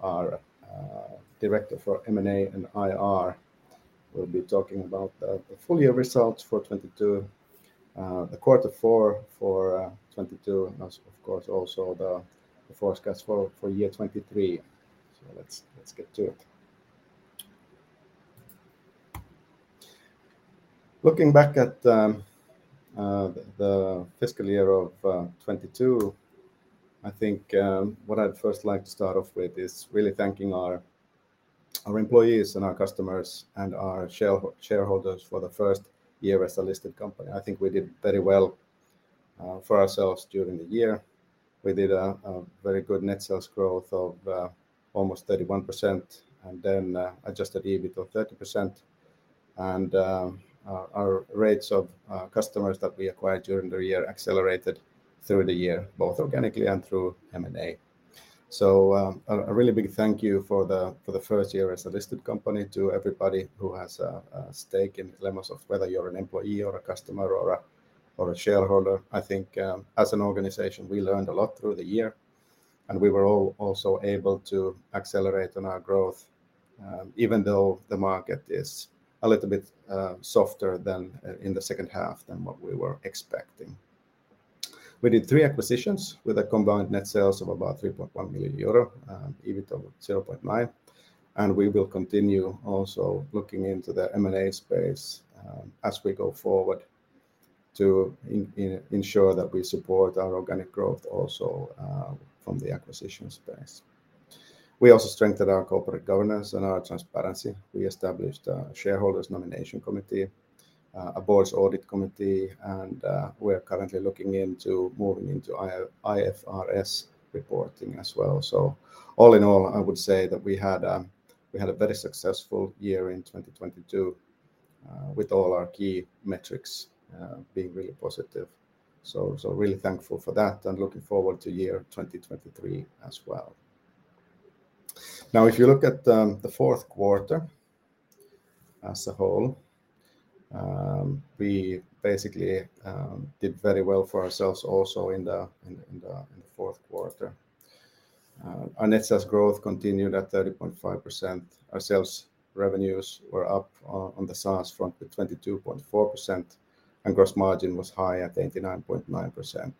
Our director for M&A and IR will be talking about the full year results for 2022, the quarter four for 2022, and also, of course, the forecast for year 2023. Let's get to it. Looking back at the fiscal year of 2022, I think what I'd first like to start off with is really thanking our employees and our customers and our shareholders for the first year as a listed company. I think we did very well for ourselves during the year. We did a very good net sales growth of almost 31%, and then adjusted EBIT of 30%. Our rates of customers that we acquired during the year accelerated through the year, both organically and through M&A. A really big thank you for the first year as a listed company to everybody who has a stake in Lemonsoft, whether you're an employee or a customer or a shareholder. I think, as an organization, we learned a lot through the year, and we were also able to accelerate on our growth, even though the market is a little bit softer than in the second half than what we were expecting. We did three acquisitions with a combined net sales of about 3.1 million euro and EBIT of 0.9 million, and we will continue also looking into the M&A space, as we go forward to ensure that we support our organic growth also from the acquisition space. We also strengthened our corporate governance and our transparency. We established a shareholders' nomination committee, a boards audit committee, and we're currently looking into moving into IFRS reporting as well. All in all, I would say that we had a very successful year in 2022, with all our key metrics being really positive. Really thankful for that and looking forward to year 2023 as well. If you look at the fourth quarter as a whole, we basically did very well for ourselves also in the fourth quarter. Our net sales growth continued at 30.5%. Our sales revenues were up on the SaaS front at 22.4%, and gross margin was high at 89.9%.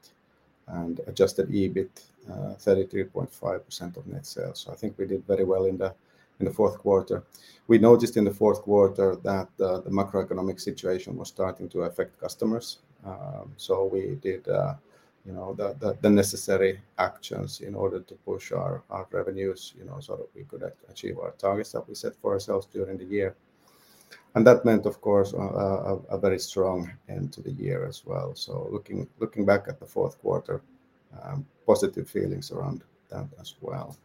Adjusted EBIT, 33.5% of net sales. I think we did very well in the fourth quarter. We noticed in the fourth quarter that the macroeconomic situation was starting to affect customers. We did, you know, the necessary actions in order to push our revenues, you know, so that we could achieve our targets that we set for ourselves during the year. That meant, of course, a very strong end to the year as well. Looking back at the fourth quarter, positive feelings around that as well.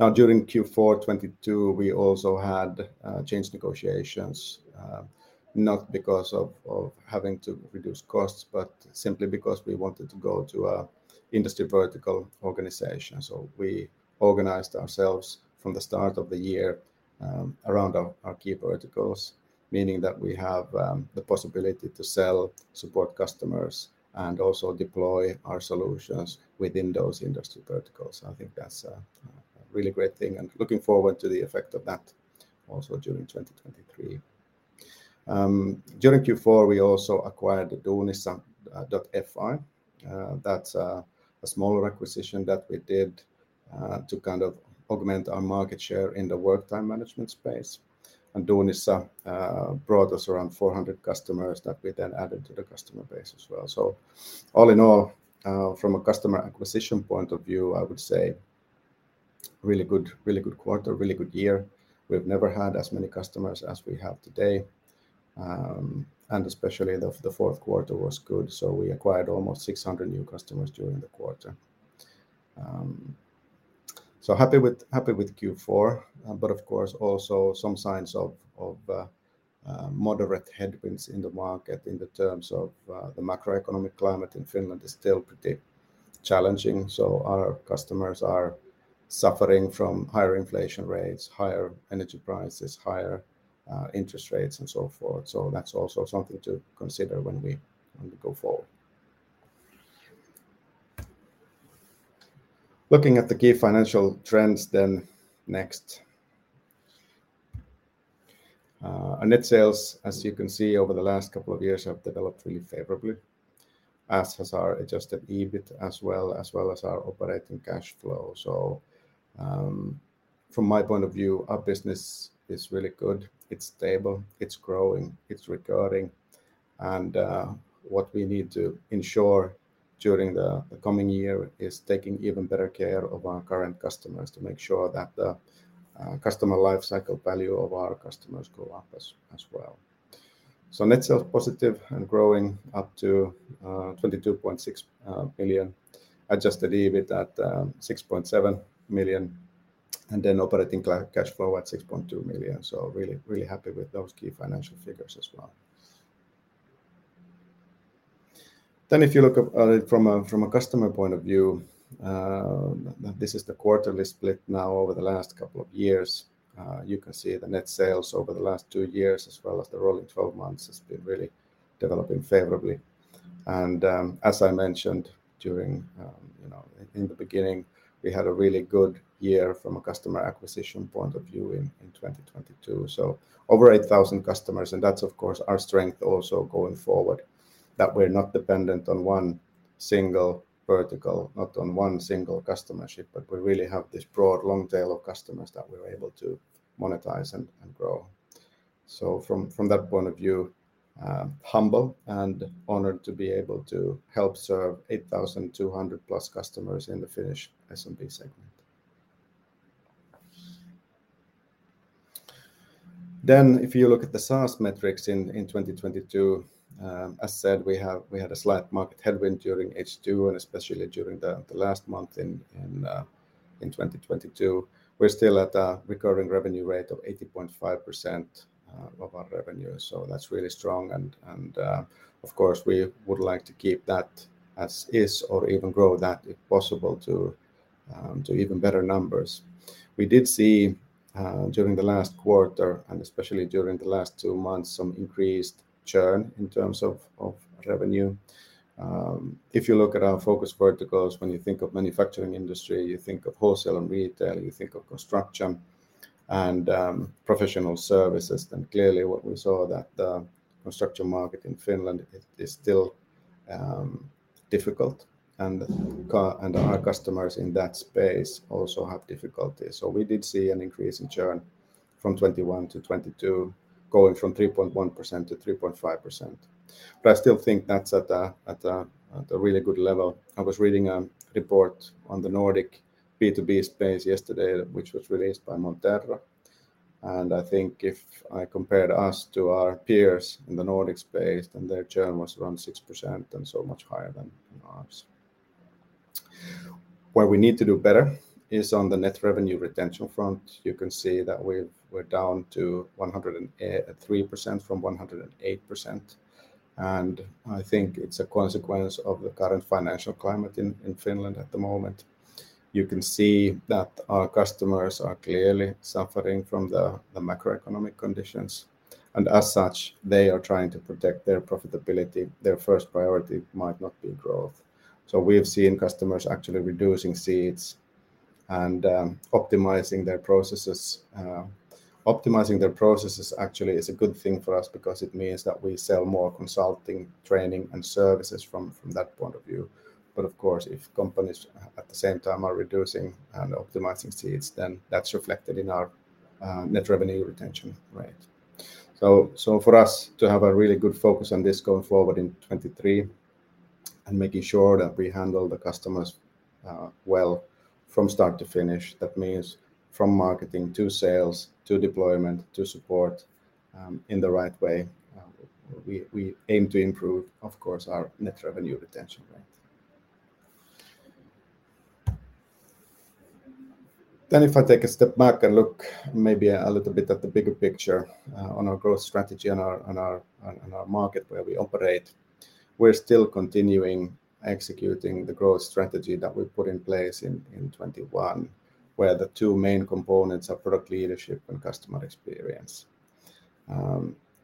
Now, during Q4 2022, we also had change negotiations, not because of having to reduce costs, but simply because we wanted to go to a industry vertical organization. We organized ourselves from the start of the year, around our key verticals, meaning that we have the possibility to sell, support customers, and also deploy our solutions within those industry verticals. I think that's a really great thing and looking forward to the effect of that also during 2023. During Q4, we also acquired Duunissa.fi. That's a smaller acquisition that we did to kind of augment our market share in the work time management space. Duunissa brought us around 400 customers that we then added to the customer base as well. All in all, from a customer acquisition point of view, I would say really good, really good quarter, really good year. We've never had as many customers as we have today. Especially the fourth quarter was good, so we acquired almost 600 new customers during the quarter. Happy with Q4, but of course also some signs of moderate headwinds in the market in the terms of the macroeconomic climate in Finland is still pretty challenging. Our customers are suffering from higher inflation rates, higher energy prices, higher interest rates, and so forth. That's also something to consider when we go forward. Looking at the key financial trends next. Our net sales, as you can see, over the last couple of years have developed really favorably, as has our adjusted EBIT as well, as well as our operating cash flow. From my point of view, our business is really good. It's stable, it's growing, it's recording. What we need to ensure during the coming year is taking even better care of our current customers to make sure that the customer life cycle value of our customers go up as well. Net sales positive and growing up to 22.6 million. Adjusted EBIT at 6.7 million, and then operating cash flow at 6.2 million. Really happy with those key financial figures as well. If you look at from a customer point of view, this is the quarterly split now over the last couple of years. You can see the net sales over the last two years, as well as the rolling 12 months has been really developing favorably. As I mentioned during, you know, in the beginning, we had a really good year from a customer acquisition point of view in 2022. Over 8,000 customers, and that's of course our strength also going forward, that we're not dependent on one single vertical, not on one single customership, but we really have this broad long tail of customers that we're able to monetize and grow. From that point of view, humble and honored to be able to help serve 8,200+ customers in the Finnish SMB segment. If you look at the SaaS metrics in 2022, as said, we had a slight market headwind during H2 and especially during the last month in 2022. We're still at a recurring revenue rate of 80.5% of our revenue. That's really strong and, of course, we would like to keep that as is or even grow that if possible to even better numbers. We did see during the last quarter, and especially during the last two months, some increased churn in terms of revenue. If you look at our focus verticals, when you think of manufacturing industry, you think of wholesale and retail, you think of construction and professional services, clearly what we saw that the construction market in Finland is still difficult, and our customers in that space also have difficulties. We did see an increase in churn from 21 to 22, going from 3.1% to 3.5%. I still think that's at a really good level. I was reading a report on the Nordic B2B space yesterday, which was released by Monterro. I think if I compared us to our peers in the Nordic space, then their churn was around 6%, and so much higher than ours. Where we need to do better is on the net revenue retention front. You can see that we're down to 103% from 108%. I think it's a consequence of the current financial climate in Finland at the moment. You can see that our customers are clearly suffering from the macroeconomic conditions. As such, they are trying to protect their profitability. Their first priority might not be growth. We have seen customers actually reducing seats and optimizing their processes. Optimizing their processes actually is a good thing for us because it means that we sell more consulting, training, and services from that point of view. Of course, if companies at the same time are reducing and optimizing seats, then that's reflected in our net revenue retention rate. For us to have a really good focus on this going forward in 2023 and making sure that we handle the customers, well from start to finish, that means from marketing to sales to deployment to support, in the right way, we aim to improve, of course, our net revenue retention rate. If I take a step back and look maybe a little bit at the bigger picture, on our growth strategy on our market where we operate, we're still continuing executing the growth strategy that we put in place in 2021, where the two main components are product leadership and customer experience.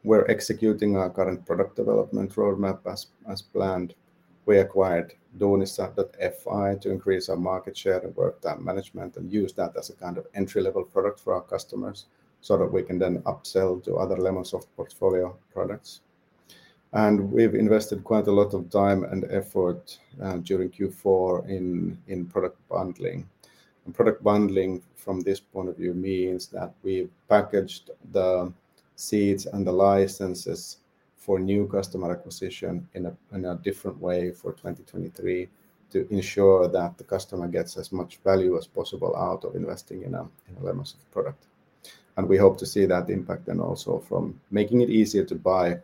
We're executing our current product development roadmap as planned. We acquired Duunissa.fi to increase our market share in work time management and use that as a kind of entry-level product for our customers so that we can then upsell to other Lemonsoft portfolio products. We've invested quite a lot of time and effort during Q4 in product bundling. Product bundling from this point of view means that we've packaged the seats and the licenses for new customer acquisition in a different way for 2023 to ensure that the customer gets as much value as possible out of investing in a Lemonsoft product. We hope to see that impact then also from making it easier to buy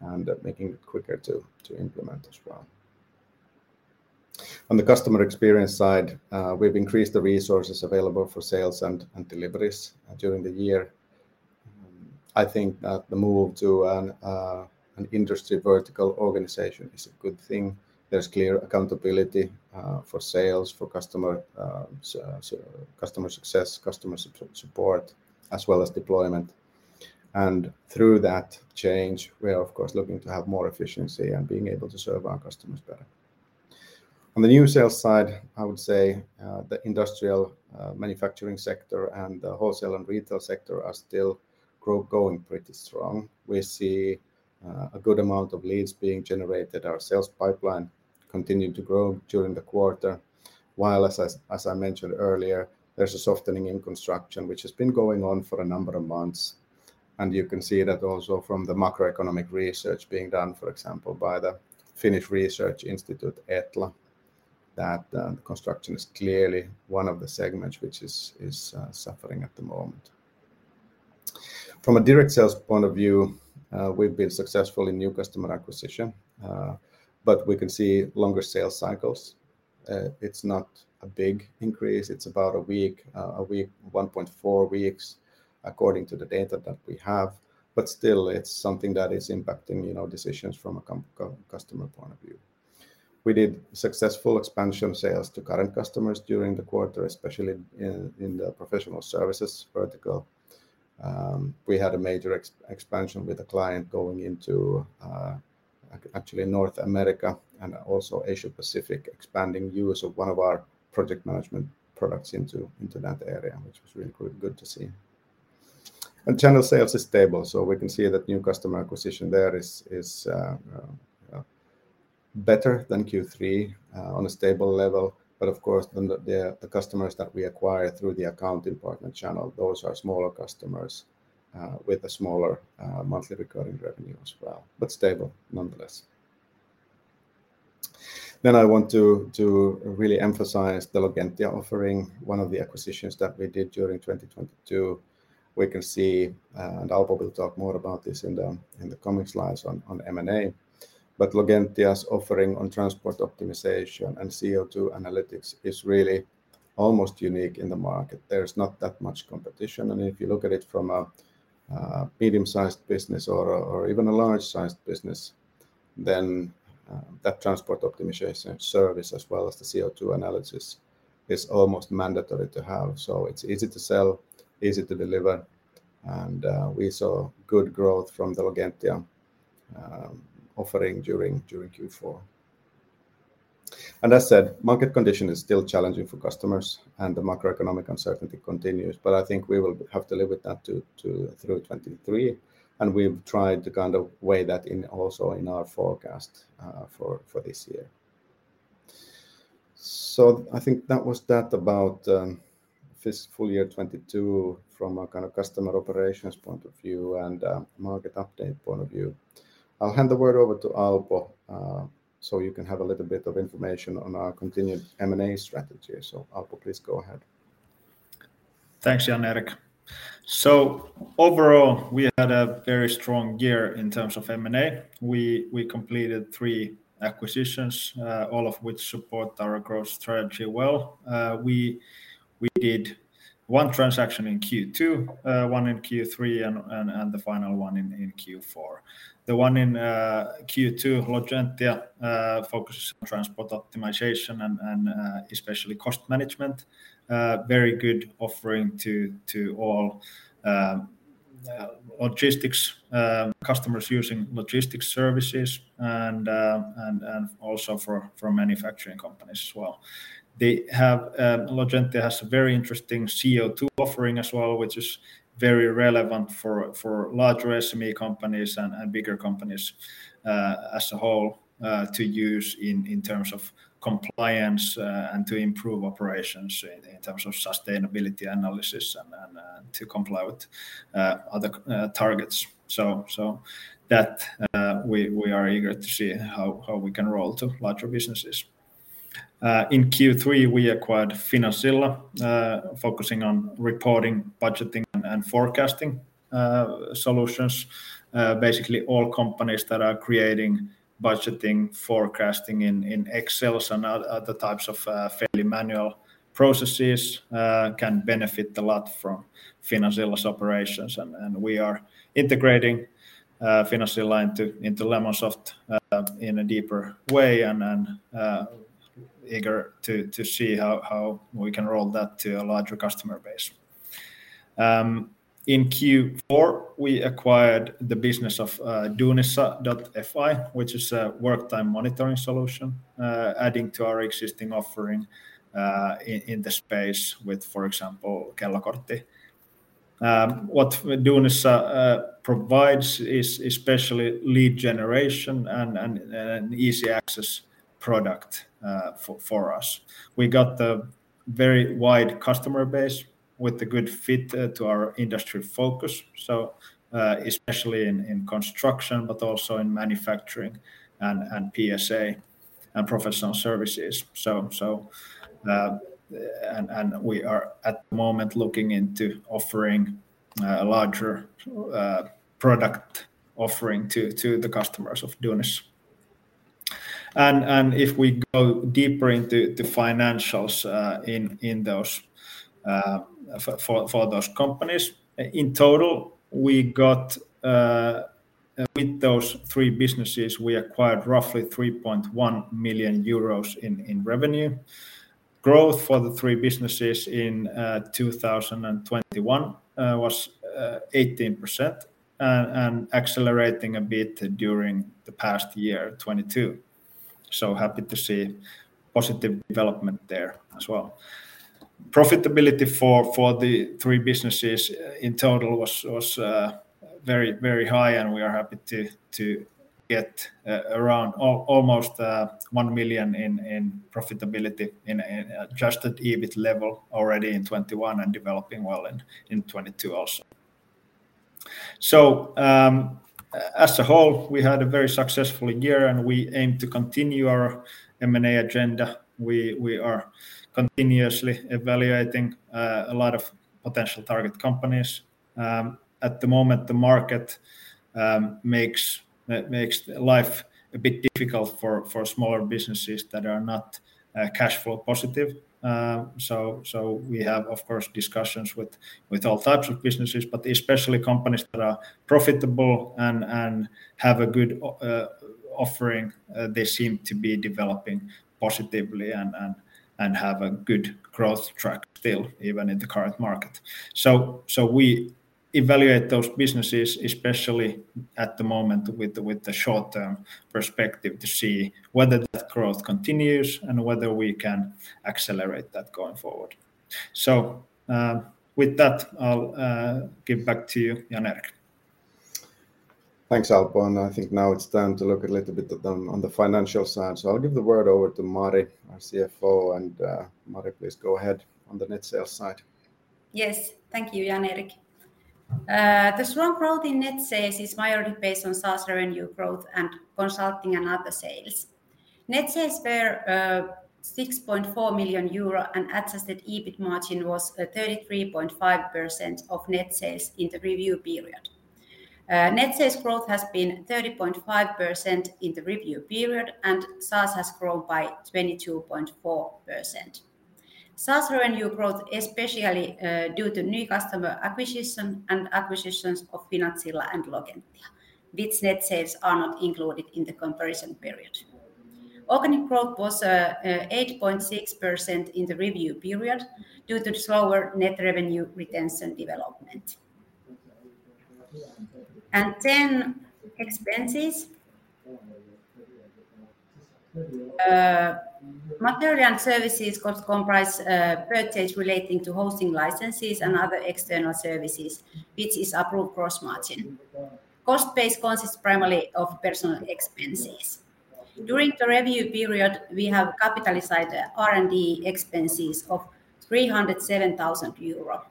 and making it quicker to implement as well. On the customer experience side, we've increased the resources available for sales and deliveries during the year. I think that the move to an industry vertical organization is a good thing. There's clear accountability for sales, for customer, so customer success, customer support, as well as deployment. Through that change, we are of course looking to have more efficiency and being able to serve our customers better. On the new sales side, I would say, the industrial manufacturing sector and the wholesale and retail sector are still going pretty strong. We see a good amount of leads being generated. Our sales pipeline continued to grow during the quarter. While, as I mentioned earlier, there's a softening in construction which has been going on for a number of months. You can see that also from the macroeconomic research being done, for example, by the Finnish Research Institute, ETLA, that the construction is clearly one of the segments which is suffering at the moment. From a direct sales point of view, we've been successful in new customer acquisition, but we can see longer sales cycles. It's not a big increase. It's about 1.4 weeks according to the data that we have. Still, it's something that is impacting, you know, decisions from a customer point of view. We did successful expansion sales to current customers during the quarter, especially in the professional services vertical. We had a major expansion with a client going into actually North America and also Asia-Pacific, expanding use of one of our project management products into that area, which was really quite good to see. Channel sales is stable, so we can see that new customer acquisition there is better than Q3 on a stable level. Of course then the customers that we acquire through the accounting partner channel, those are smaller customers with a smaller monthly recurring revenue as well, but stable nonetheless. I want to really emphasize the Logentia offering, one of the acquisitions that we did during 2022. We can see, and Alpo will talk more about this in the coming slides on M&A, but Logentia's offering on transport optimization and CO2 analytics is really almost unique in the market. There's not that much competition. If you look at it from a medium-sized business or even a large-sized business, then that transport optimization service as well as the CO2 analysis is almost mandatory to have. It's easy to sell, easy to deliver, and we saw good growth from the Logentia offering during Q4. As said, market condition is still challenging for customers and the macroeconomic uncertainty continues, but I think we will have to live with that to through 2023, and we've tried to kind of weigh that in also in our forecast for this year. I think that was that about, this full year 2022 from a kind of customer operations point of view and a market update point of view. I'll hand the word over to Alpo, so you can have a little bit of information on our continued M&A strategy. Alpo, please go ahead. Thanks, Jan-Erik. Overall, we had a very strong year in terms of M&A. We completed three acquisitions, all of which support our growth strategy well. We did one transaction in Q2, one in Q3, and the final one in Q4. The one in Q2, Logentia, focuses on transport optimization and especially cost management. Very good offering to all logistics customers using logistics services and also for manufacturing companies as well. They have Logentia has a very interesting CO2 offering as well, which is very relevant for larger SME companies and bigger companies as a whole to use in terms of compliance and to improve operations in terms of sustainability analysis and to comply with other targets. That we are eager to see how we can roll to larger businesses. In Q3, we acquired Finazilla, focusing on reporting, budgeting, and forecasting solutions. Basically all companies that are creating budgeting, forecasting in Excels and other types of fairly manual processes can benefit a lot from Finazilla's operations. And we are integrating Finazilla into Lemonsoft in a deeper way and eager to see how we can roll that to a larger customer base. In Q4, we acquired the business of Duunissa.fi, which is a work time monitoring solution, adding to our existing offering in the space with, for example, Kellokortti. What Duunissa provides is especially lead generation and easy access product for us. We got the very wide customer base with the good fit to our industry focus, so especially in construction, but also in manufacturing and PSA and professional services. We are at the moment looking into offering a larger product offering to the customers of Duunissa. If we go deeper into the financials in those for those companies, in total, we got with those three businesses, we acquired roughly 3.1 million euros in revenue. Growth for the three businesses in 2021 was 18% and accelerating a bit during the past year, 2022. Happy to see positive development there as well. Profitability for the three businesses in total was very, very high, and we are happy to get around almost 1 million in profitability in adjusted EBIT level already in 2021 and developing well in 2022 also. As a whole, we had a very successful year, and we aim to continue our M&A agenda. We are continuously evaluating a lot of potential target companies. At the moment, the market makes life a bit difficult for smaller businesses that are not cash flow positive. We have, of course, discussions with all types of businesses, but especially companies that are profitable and have a good Offering, they seem to be developing positively and have a good growth track still even in the current market. We evaluate those businesses, especially at the moment with the short-term perspective to see whether that growth continues and whether we can accelerate that going forward. With that, I'll give back to you Jan-Erik. Thanks Alpo, and I think now it's time to look a little bit at the, on the financial side. I'll give the word over to Mari, our CFO, and Mari, please go ahead on the net sales side. Yes, thank you Jan-Erik. The strong growth in net sales is primarily based on SaaS revenue growth and consulting and other sales. Net sales were 6.4 million euro and adjusted EBIT margin was 33.5% of net sales in the review period. Net sales growth has been 30.5% in the review period, and SaaS has grown by 22.4%. SaaS revenue growth, especially, due to new customer acquisition and acquisitions of Finazilla and Logentia, which net sales are not included in the comparison period. Organic growth was 8.6% in the review period due to slower net revenue retention development. Expenses. Material and services cost comprise purchase relating to hosting licenses and other external services, which is approved gross margin. Cost base consists primarily of personal expenses. During the review period, we have capitalized R&D expenses of 307,000 euro.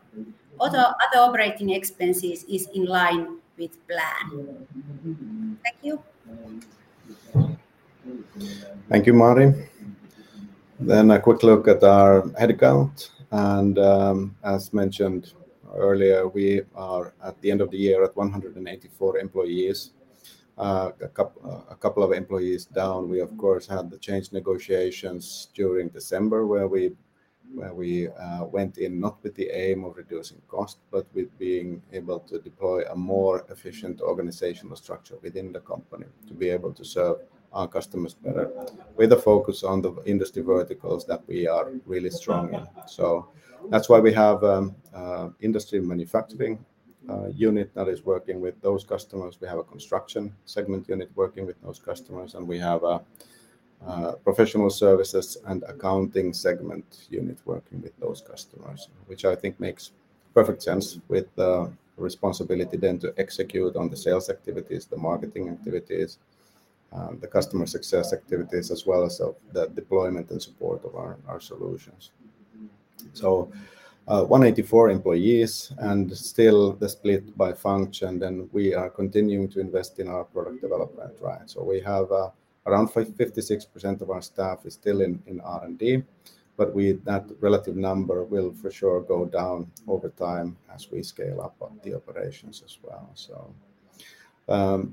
Other operating expenses is in line with plan. Thank you. Thank you, Mari. A quick look at our head count and, as mentioned earlier, we are at the end of the year at 184 employees. A couple of employees down. We of course had the change negotiations during December where we went in not with the aim of reducing cost, but with being able to deploy a more efficient organizational structure within the company to be able to serve our customers better with a focus on the industry verticals that we are really strong in. That's why we have a industry manufacturing unit that is working with those customers. We have a construction segment unit working with those customers, we have a professional services and accounting segment unit working with those customers, which I think makes perfect sense with the responsibility then to execute on the sales activities, the marketing activities, the customer success activities, as well as the deployment and support of our solutions. 184 employees and still the split by function, then we are continuing to invest in our product development drive. We have around 55, 56% of our staff is still in R&D, but that relative number will for sure go down over time as we scale up on the operations as well, so.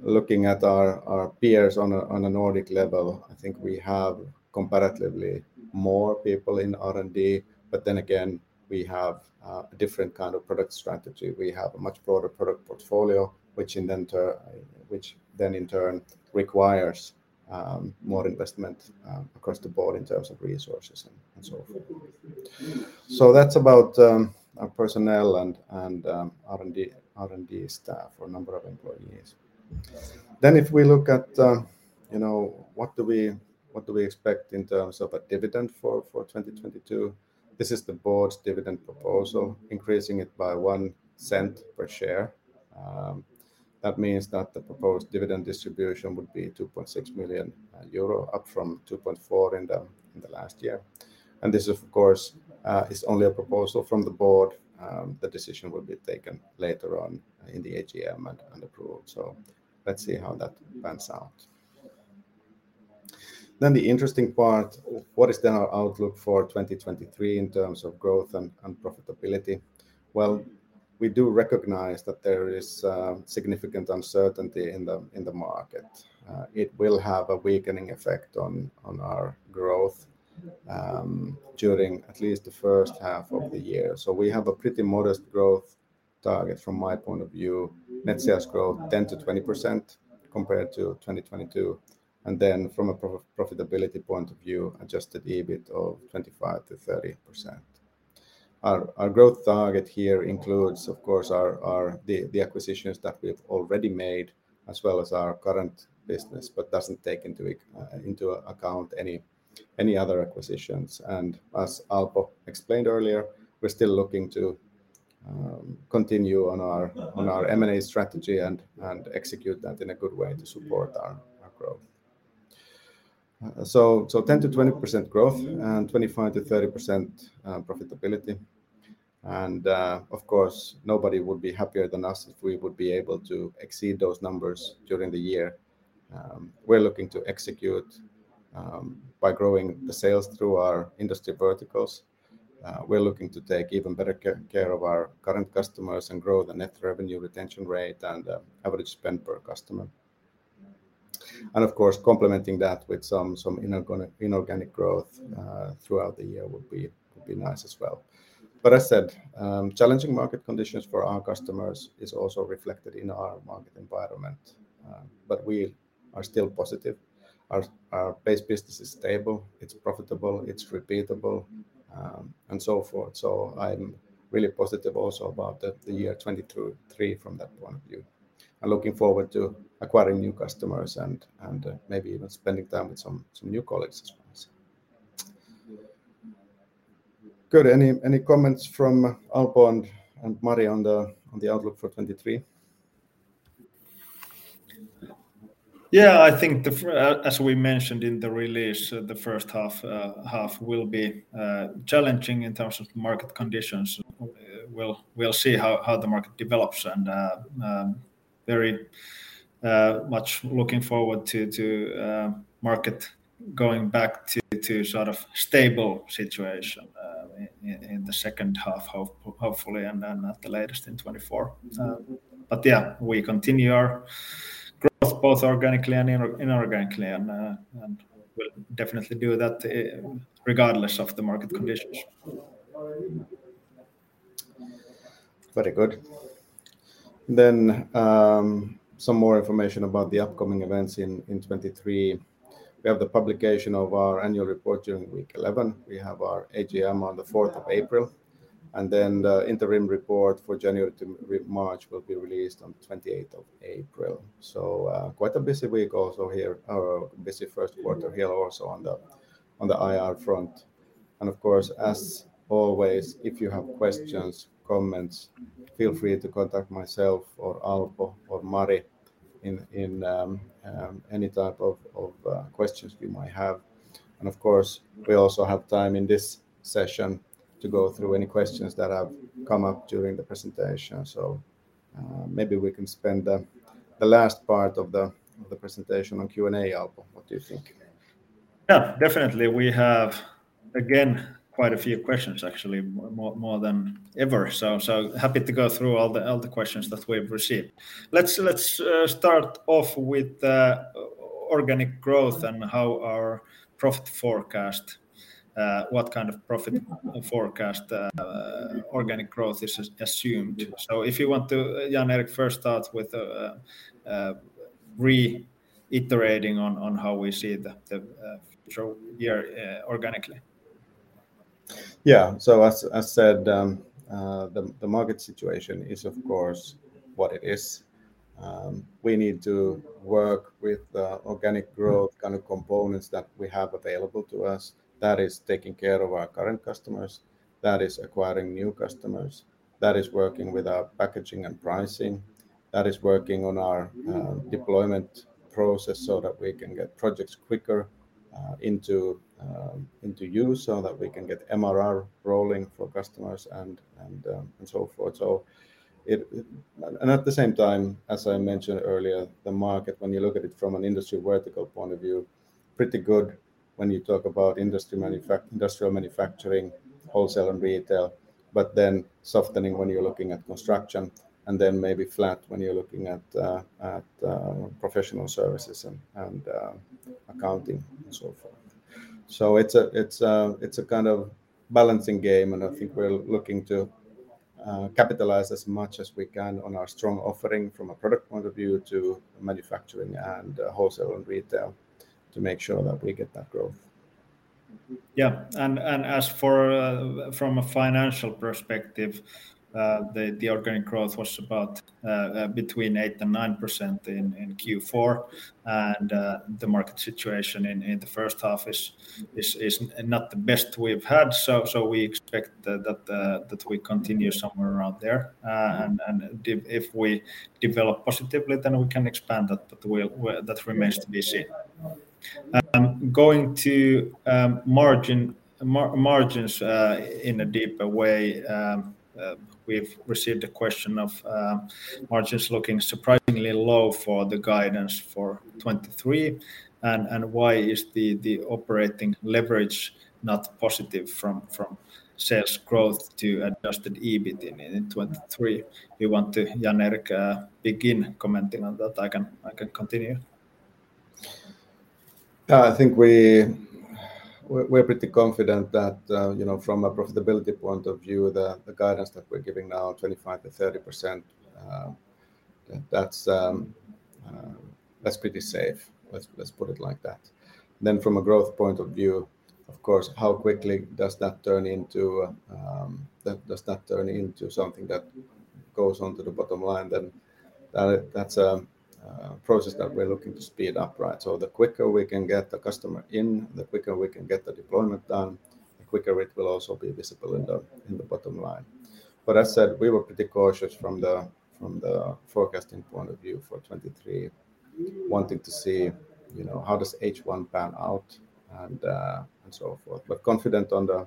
Looking at our peers on a Nordic level, I think we have comparatively more people in R&D. Then again, we have a different kind of product strategy. We have a much broader product portfolio, which then in turn requires more investment across the board in terms of resources and so forth. That's about our personnel and R&D staff or number of employees. If we look at, you know, what do we expect in terms of a dividend for 2022? This is the board's dividend proposal, increasing it by one cent per share. That means that the proposed dividend distribution would be 2.6 million euro, up from 2.4 million in the last year. This of course is only a proposal from the board. The decision will be taken later on in the AGM and approved. Let's see how that pans out. The interesting part, what is then our outlook for 2023 in terms of growth and profitability? We do recognize that there is significant uncertainty in the market. It will have a weakening effect on our growth during at least the first half of the year. We have a pretty modest growth target from my point of view. Net sales growth 10%-20% compared to 2022. From a profitability point of view, adjusted EBIT of 25%-30%. Our growth target here includes of course, the acquisitions that we've already made as well as our current business, but doesn't take into account any other acquisitions. As Alpo explained earlier, we're still looking to continue on our M&A strategy and execute that in a good way to support our growth. 10%-20% growth and 25%-30% profitability. Of course, nobody would be happier than us if we would be able to exceed those numbers during the year. We're looking to execute by growing the sales through our industry verticals. We're looking to take even better care of our current customers and grow the net revenue retention rate and average spend per customer. Of course, complementing that with some inorganic growth throughout the year would be nice as well. As said, challenging market conditions for our customers is also reflected in our market environment. We are still positive. Our base business is stable, it's profitable, it's repeatable, and so forth. I'm really positive also about the year 2023 from that point of view. I'm looking forward to acquiring new customers and, maybe even spending time with some new colleagues as well, so. Good. Any comments from Alpo and Mari on the outlook for 2023? Yeah, I think as we mentioned in the release, the first half will be challenging in terms of market conditions. We'll see how the market develops and very much looking forward to market going back to sort of stable situation in the second half hopefully, and then at the latest in 2024. Yeah, we continue our growth both organically and inorganically, and we'll definitely do that regardless of the market conditions. Very good. Some more information about the upcoming events in 2023. We have the publication of our annual report during week 11. We have our AGM on the 4th of April, the interim report for January to March will be released on the 28th of April. Quite a busy week also here, or busy first quarter here also on the IR front. Of course, as always, if you have questions, comments, feel free to contact myself or Alpo or Mari in any type of questions you might have. Of course, we also have time in this session to go through any questions that have come up during the presentation. Maybe we can spend the last part of the presentation on Q&A. Alpo, what do you think? Yeah, definitely. We have, again, quite a few questions, actually. More than ever, so happy to go through all the questions that we've received. Let's start off with organic growth and how our profit forecast, what kind of profit forecast, organic growth is assumed. If you want to, Jan-Erik, first start with reiterating on how we see the financial year organically. Yeah. As said, the market situation is, of course, what it is. We need to work with the organic growth kind of components that we have available to us. That is taking care of our current customers. That is acquiring new customers. That is working with our packaging and pricing. That is working on our deployment process so that we can get projects quicker into use so that we can get MRR rolling for customers and so forth. It... At the same time, as I mentioned earlier, the market, when you look at it from an industry vertical point of view, pretty good when you talk about industrial manufacturing, wholesale and retail, but then softening when you're looking at construction, and then maybe flat when you're looking at professional services and accounting and so forth. It's a kind of balancing game, and I think we're looking to capitalize as much as we can on our strong offering from a product point of view to manufacturing and wholesale and retail to make sure that we get that growth. Yeah. As for, from a financial perspective, the organic growth was about between 8% and 9% in Q4. The market situation in the first half is not the best we've had, so we expect that we continue somewhere around there. If we develop positively, then we can expand that, but that remains to be seen. Going to margins in a deeper way, we've received a question of margins looking surprisingly low for the guidance for 2023, and why is the operating leverage not positive from sales growth to adjusted EBIT in 2023? You want to, Jan-Erik, begin commenting on that? I can continue. I think we're pretty confident that, you know, from a profitability point of view, the guidance that we're giving now, 25%-30%, that's pretty safe. Let's put it like that. From a growth point of view, of course, how quickly does that turn into something that goes on to the bottom line, that's a process that we're looking to speed up, right? The quicker we can get the customer in, the quicker we can get the deployment done, the quicker it will also be visible in the bottom line. As said, we were pretty cautious from the forecasting point of view for 2023, wanting to see, you know, how does H1 pan out and so forth. Confident on the,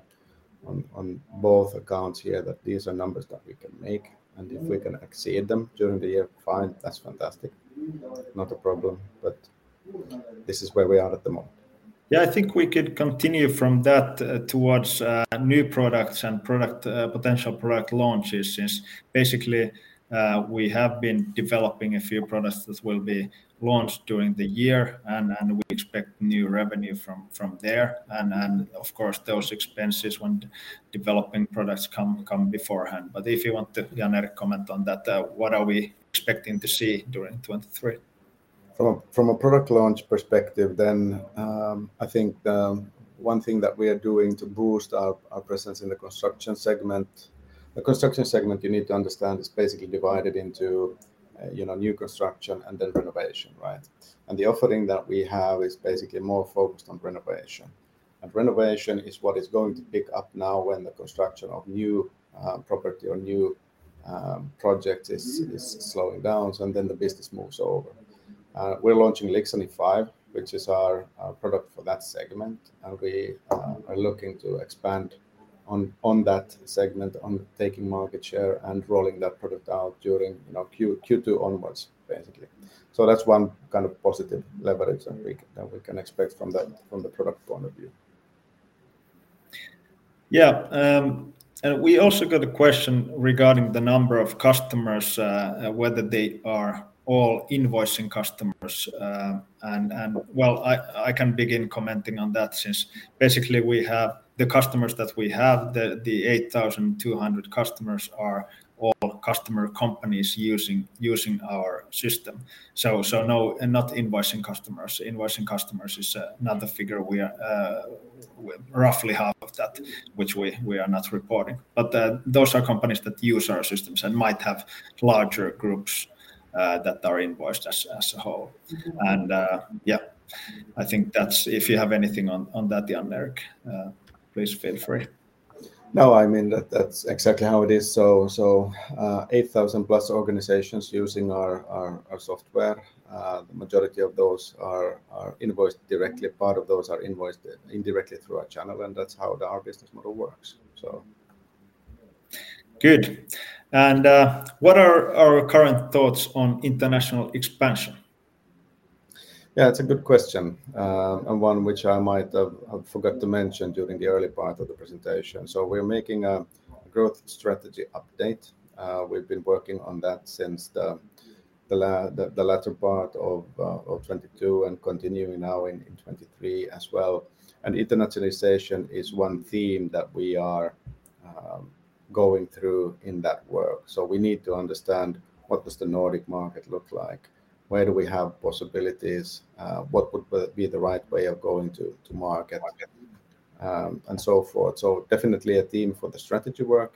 on both accounts here that these are numbers that we can make. If we can exceed them during the year, fine, that's fantastic. Not a problem. This is where we are at the moment. Yeah, I think we could continue from that towards new products and product potential product launches since basically we have been developing a few products that will be launched during the year and we expect new revenue from there. Of course, those expenses when developing products come beforehand. If you want to, Jan-Erik, comment on that, what are we expecting to see during 2023? From a product launch perspective then, one thing that we are doing to boost our presence in the construction segment. The construction segment you need to understand is basically divided into, you know, new construction and then renovation, right? The offering that we have is basically more focused on renovation is what is going to pick up now when the construction of new property or new project is slowing down. The business moves over. We're launching Lixani 5, which is our product for that segment, we are looking to expand on that segment, on taking market share and rolling that product out during, you know, Q2 onwards, basically. That's one kind of positive leverage and that we can expect from that, from the product point of view. Yeah. We also got a question regarding the number of customers, whether they are all invoicing customers. Well, I can begin commenting on that since basically we have. The customers that we have, the 8,200 customers are all customer companies using our system. So no, not invoicing customers. Invoicing customers is not a figure. We are roughly half of that which we are not reporting. But those are companies that use our systems and might have larger groups that are invoiced as a whole. I think that's. If you have anything on that, Jan-Erik, please feel free. No, I mean that's exactly how it is. 8,000+ organizations using our software. The majority of those are invoiced directly. Part of those are invoiced indirectly through our channel, that's how our business model works. Good. What are our current thoughts on international expansion? It's a good question, and one which I might have forgot to mention during the early part of the presentation. We're making a growth strategy update. We've been working on that since the latter part of 2022 and continuing now in 2023 as well, internationalization is one theme that we are going through in that work. We need to understand what does the Nordic market look like, where do we have possibilities, what would be the right way of going to market, and so forth. Definitely a theme for the strategy work,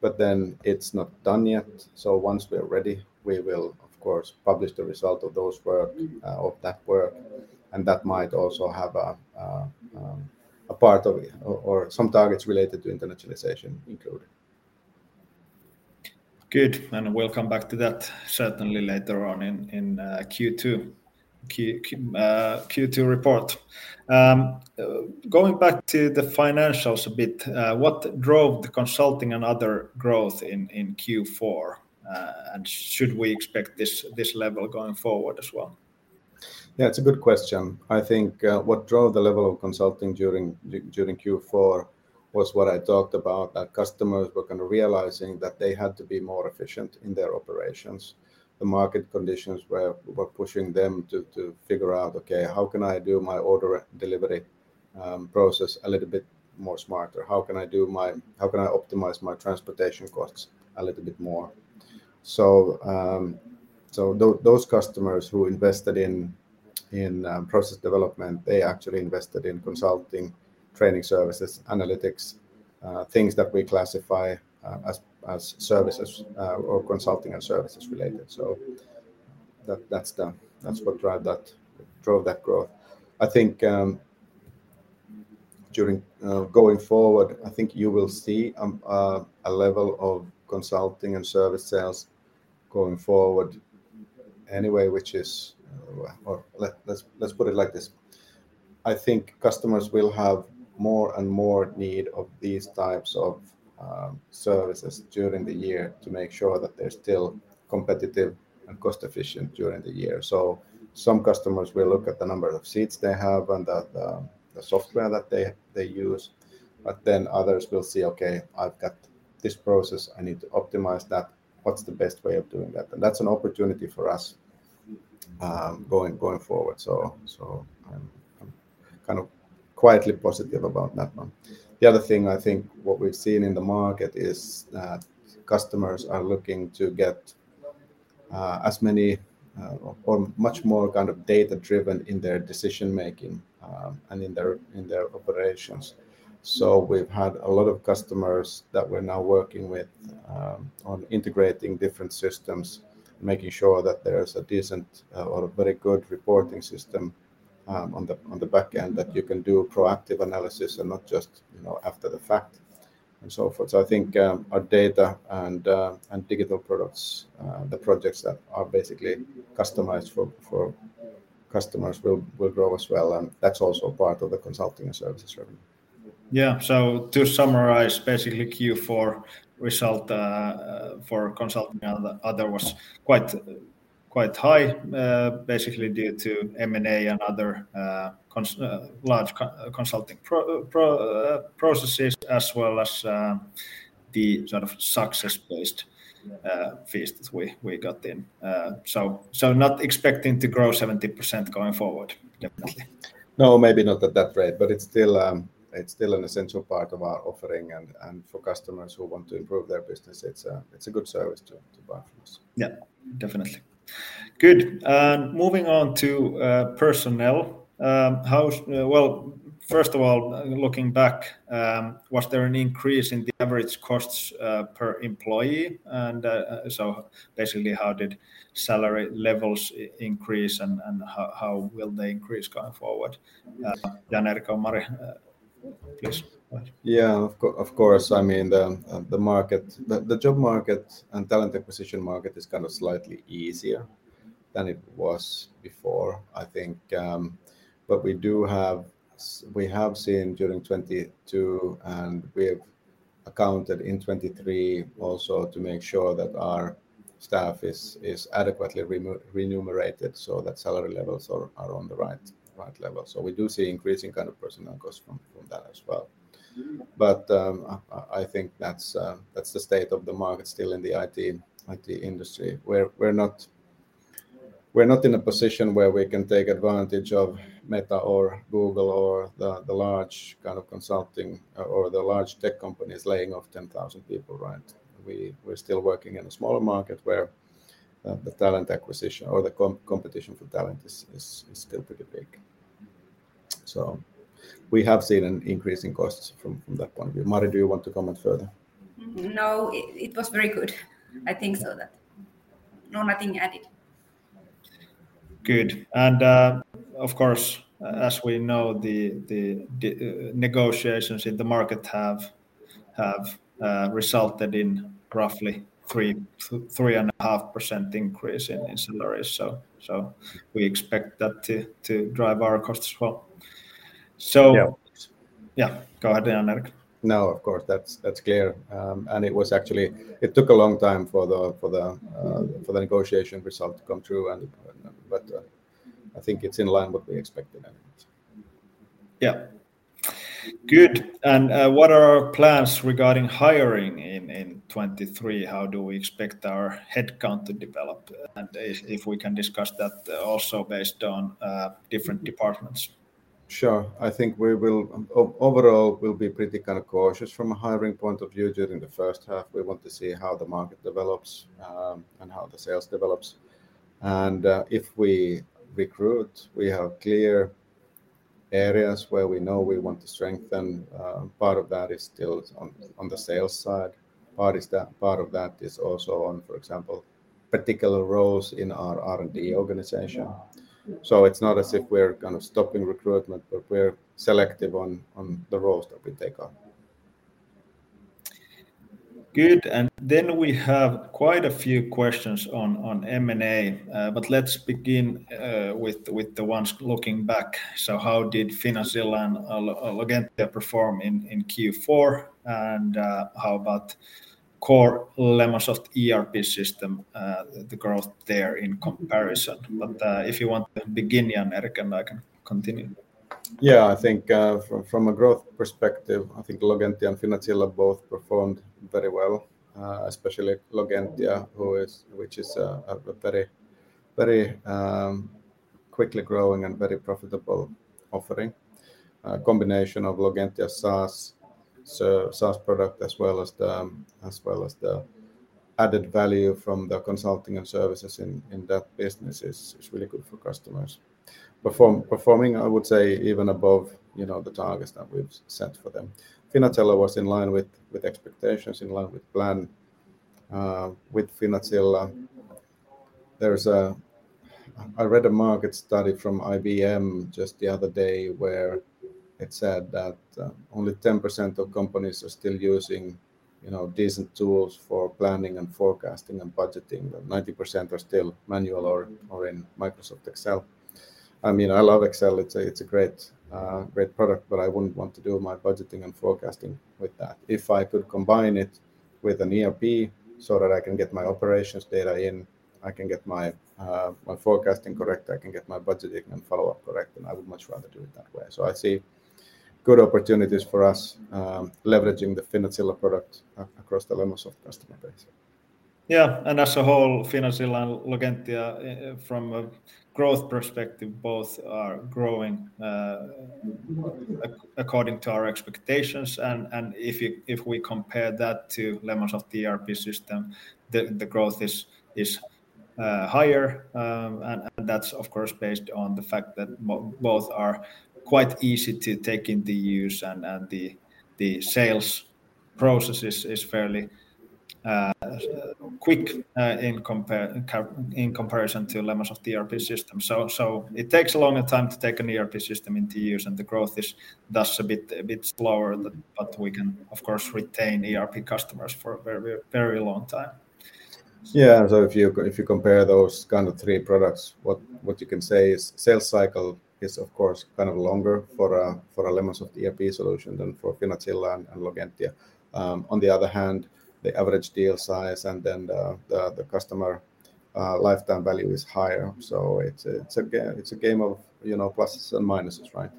but then it's not done yet, so once we're ready, we will of course publish the result of that work, and that might also have a part of or some targets related to internationalization included. Good. We'll come back to that certainly later on in Q2 report. Going back to the financials a bit, what drove the consulting and other growth in Q4, should we expect this level going forward as well? Yeah, it's a good question. I think, what drove the level of consulting during Q4 was what I talked about, that customers were kind of realizing that they had to be more efficient in their operations. The market conditions were pushing them to figure out, "Okay, how can I do my order delivery process a little bit more smarter? How can I optimize my transportation costs a little bit more?" Those customers who invested in process development, they actually invested in consulting, training services, analytics, things that we classify as services or consulting and services related. That's what drive that, drove that growth. I think, during... Going forward, I think you will see a level of consulting and service sales going forward anyway, which is... Let's put it like this. I think customers will have more and more need of these types of services during the year to make sure that they're still competitive and cost efficient during the year. Some customers will look at the number of seats they have and the software that they use, but then others will see, "Okay, I've got this process. I need to optimize that. What's the best way of doing that?" That's an opportunity for us going forward. I'm kind of quietly positive about that one. The other thing, I think what we've seen in the market is that customers are looking to get, as many, or much more kind of data-driven in their decision-making, and in their, in their operations. We've had a lot of customers that we're now working with, on integrating different systems, making sure that there's a decent, or a very good reporting system, on the, on the back end, that you can do proactive analysis and not just, you know, after the fact and so forth. I think, our data and digital products, the projects that are basically customized for customers will grow as well, and that's also part of the consulting and services revenue. Yeah. So to summarize, basically Q4 result, uh, uh, for consulting and other was quite, quite high, uh, basically due to M&A and other, uh, cons- uh, large co-consulting pro-pro, uh, processes as well as, uh, the sort of success-based, uh, fees that we, we got in. Uh, so, so not expecting to grow 70% going forward, definitely. No, maybe not at that rate, but it's still an essential part of our offering and for customers who want to improve their business, it's a, it's a good service to buy from us. Moving on to personnel. Well, first of all, looking back, was there an increase in the average costs per employee? Basically, how did salary levels increase and how will they increase going forward? Jan-Erik or Mari, please. Yeah, of course. I mean, the market, the job market and talent acquisition market is kind of slightly easier than it was before, I think. We do have seen during 2022, and we've accounted in 2023 also to make sure that our staff is adequately remunerated so that salary levels are on the right level. We do see increasing kind of personnel costs from that as well. I think that's the state of the market still in the IT industry, where we're not, we're not in a position where we can take advantage of Meta or Google or the large kind of consulting or the large tech companies laying off 10,000 people, right? We're still working in a smaller market where the talent acquisition or the competition for talent is still pretty big. We have seen an increase in costs from that point of view. Mari, do you want to comment further? No. It was very good. I think so that. No, nothing to add it. Good. Of course, as we know, the negotiations in the market have resulted in roughly 3.5% increase in salaries. We expect that to drive our costs as well. Yeah. Yeah. Go ahead Jan-Erik. No, of course, that's clear. It was actually, it took a long time for the negotiation result to come through and, but, I think it's in line what we expected anyways. Yeah. Good. What are our plans regarding hiring in 2023? How do we expect our headcount to develop? If, if we can discuss that also based on different departments. Sure. I think we will overall, we'll be pretty kind of cautious from a hiring point of view during the first half. We want to see how the market develops, and how the sales develops. If we recruit, we have clear areas where we know we want to strengthen. Part of that is still on the sales side. Part of that is also on, for example, particular roles in our R&D organization. It's not as if we're kind of stopping recruitment, but we're selective on the roles that we take on. Good. We have quite a few questions on M&A. Let's begin with the ones looking back. How did Finazilla and Logentia perform in Q4? How about core Lemonsoft ERP system, the growth there in comparison? If you want to begin, Jan-Erik, and I can continue. Yeah, I think, from a growth perspective, I think Logentia and Finazilla both performed very well, especially Logentia, which is a very, very quickly growing and very profitable offering. A combination of Logentia SaaS product as well as the added value from the consulting and services in that business is really good for customers. Performing, I would say, even above, you know, the targets that we've set for them. Finazilla was in line with expectations, in line with plan. With Finazilla, I read a market study from IBM just the other day where it said that only 10% of companies are still using, you know, decent tools for planning and forecasting and budgeting, and 90% are still manual or in Microsoft Excel. I mean, I love Excel. It's a great product. I wouldn't want to do my budgeting and forecasting with that. If I could combine it with an ERP so that I can get my operations data in, I can get my forecasting correct, I can get my budgeting and follow-up correct, I would much rather do it that way. I see good opportunities for us leveraging the Finazilla product across the Lemonsoft customer base. Yeah. As a whole, Finazilla and Logentia, from a growth perspective, both are growing, according to our expectations. If we compare that to Lemonsoft ERP system, the growth is higher. That's of course based on the fact that both are quite easy to take into use and the sales process is fairly quick, in comparison to Lemonsoft ERP system. It takes a longer time to take an ERP system into use, and the growth is, thus a bit slower than. We can of course retain ERP customers for a very, very long time. Yeah. If you compare those kind of three products, what you can say is sales cycle is of course kind of longer for a Lemonsoft ERP solution than for Finazilla and Logentia. On the other hand, the average deal size and then the customer lifetime value is higher. It's a game of, you know, pluses and minuses, right?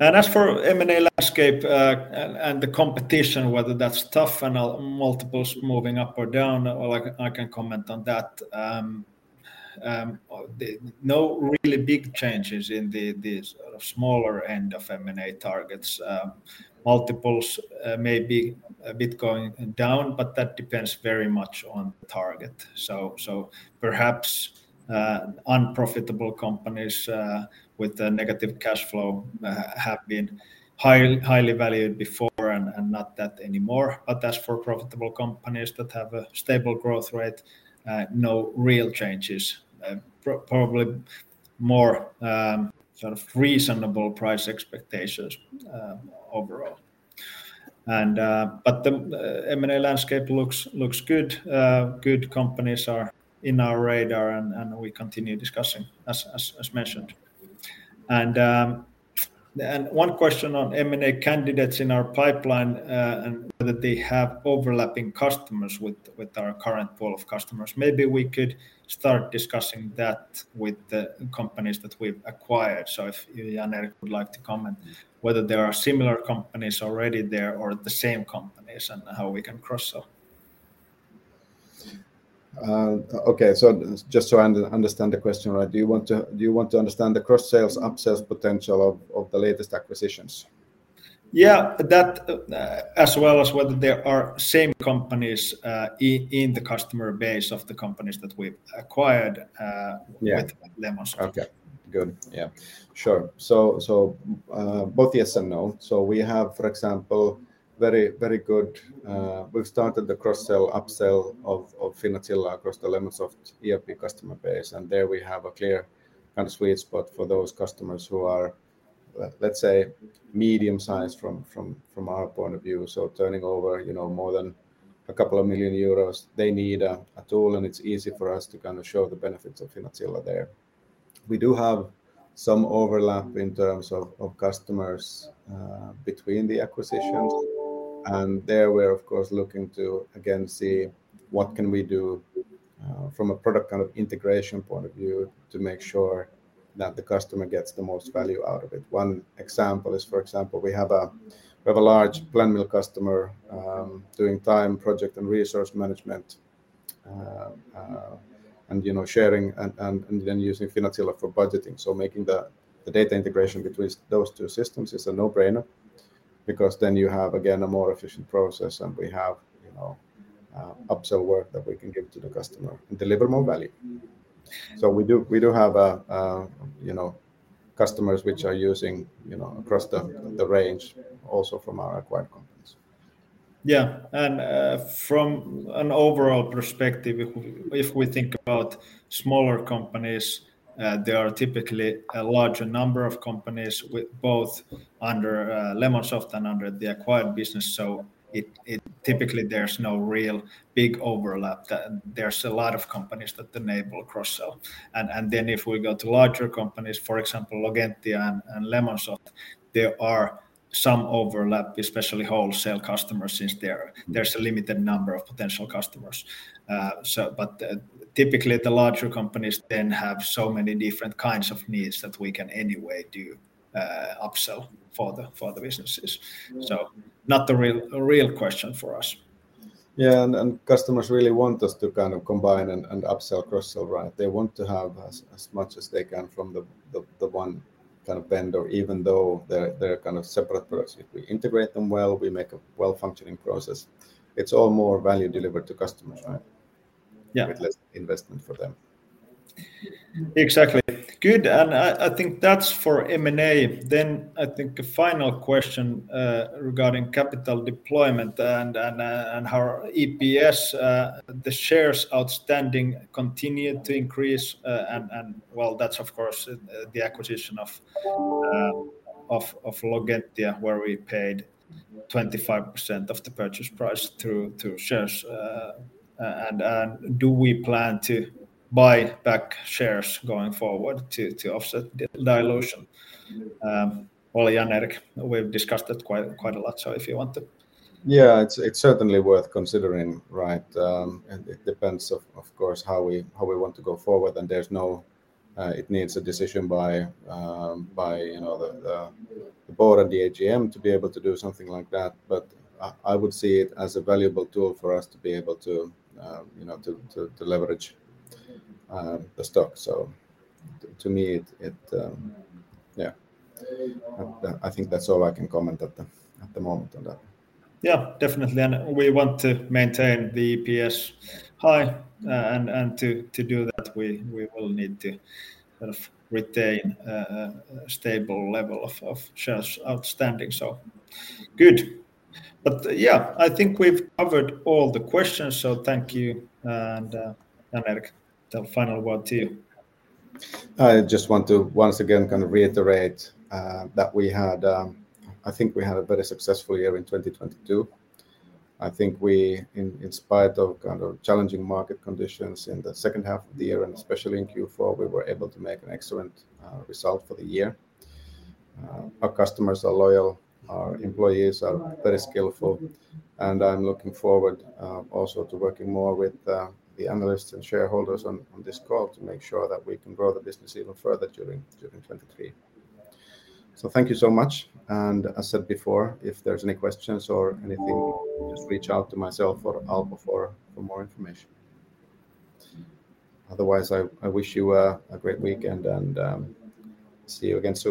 As for M&A landscape, and the competition, whether that's tough and multiples moving up or down, well, I can comment on that. No really big changes in the smaller end of M&A targets. Multiples may be a bit going down but that depends very much on the target. Perhaps unprofitable companies with a negative cashflow have been highly valued before and not that anymore. As for profitable companies that have a stable growth rate, no real changes. Probably more sort of reasonable price expectations overall. The M&A landscape looks good. Good companies are in our radar and we continue discussing, as mentioned. One question on M&A candidates in our pipeline, and whether they have overlapping customers with our current pool of customers, maybe we could start discussing that with the companies that we've acquired. So if you, Jan-Erik, would like to comment whether there are similar companies already there or the same companies and how we can cross-sell? Okay. Just so I understand the question right, do you want to understand the cross-sales, up-sales potential of the latest acquisitions? Yeah, that, as well as whether there are same companies, in the customer base of the companies that we've acquired. Yeah... with Lemonsoft. Okay. Good. Yeah. Sure. Both yes and no. We have, for example, very, very good. We've started the cross-sell, up-sell of Finazilla across the Lemonsoft ERP customer base, and there we have a clear kind of sweet spot for those customers who are, let's say, medium-sized from, from our point of view, so turning over, you know, more than a couple of million EUR. They need a tool, and it's easy for us to kind of show the benefits of Finazilla there. We do have some overlap in terms of customers between the acquisitions. There we're, of course, looking to again see what can we do from a product kind of integration point of view to make sure that the customer gets the most value out of it. One example is, for example, we have a large PlanMill customer, doing time, project, and resource management, and, you know, sharing and then using Finazilla for budgeting. Making the data integration between those two systems is a no-brainer because then you have, again, a more efficient process, and we have, you know, up-sell work that we can give to the customer and deliver more value. We do have a, you know, customers which are using, you know, across the range also from our acquired companies. Yeah. From an overall perspective if we think about smaller companies, there are typically a larger number of companies with both under Lemonsoft and under the acquired business, so it... Typically there's no real big overlap. There's a lot of companies that enable cross-sell. If we go to larger companies, for example, Logentia and Lemonsoft, there are some overlap, especially wholesale customers since there's a limited number of potential customers. Typically the larger companies then have so many different kinds of needs that we can anyway do up-sell for the businesses. Not a real question for us. Yeah. And customers really want us to kind of combine and up-sell, cross-sell, right? They want to have as much as they can from the, the one kind of vendor even though they're kind of separate products. If we integrate them well, we make a well-functioning process, it's all more value delivered to customers, right? Yeah. With less investment for them. Exactly. Good. I think that's for M&A. I think a final question regarding capital deployment and how our EPS, the shares outstanding continued to increase. Well, that's of course the acquisition of Logentia where we paid 25% of the purchase price through shares. Do we plan to buy back shares going forward to offset dilution? Well, Jan-Erik, we've discussed it quite a lot, so if you want to. Yeah. It's certainly worth considering, right? It depends of course, how we, how we want to go forward, and there's no... It needs a decision by, you know, the board and the AGM to be able to do something like that. I would see it as a valuable tool for us to be able to, you know, to leverage the stock. To me it... Yeah. I think that's all I can comment at the moment on that. Yeah. Definitely. We want to maintain the EPS high, and to do that we will need to kind of retain a stable level of shares outstanding. Good. Yeah, I think we've covered all the questions, so thank you. Jan-Erik, the final word to you. I just want to once again kind of reiterate that we had, I think we had a very successful year in 2022. I think we, in spite of kind of challenging market conditions in the second half of the year and especially in Q4, we were able to make an excellent result for the year. Our customers are loyal, our employees are very skillful, and I'm looking forward also to working more with the analysts and shareholders on this call to make sure that we can grow the business even further during 2023. Thank you so much. As said before, if there's any questions or anything, just reach out to myself or Alpo for more information. Otherwise, I wish you a great weekend, and see you again soon